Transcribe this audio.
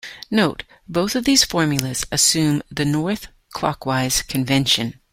"Note: Both of these formulas assume the north-clockwise convention.